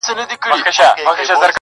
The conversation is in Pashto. اوس هغه بل كور كي اوسيږي كنه_